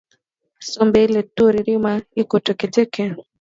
Sombe ile turi rima iko teke teke